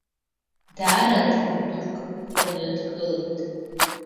Даара драматург ӷәӷәаны дгылеит.